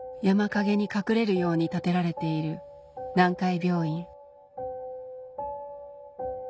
山陰に隠れるように建てられている南海病院